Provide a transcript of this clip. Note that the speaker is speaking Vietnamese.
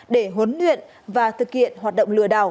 để huấn luyện và thực hiện hoạt động